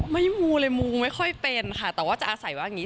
มูเลยมูไม่ค่อยเป็นค่ะแต่ว่าจะอาศัยว่าอย่างนี้